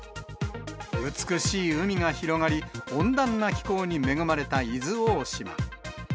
美しい海が広がり、温暖な気候に恵まれた伊豆大島。